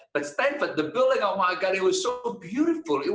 tapi stanford bangunan itu ya tuhan sangat indah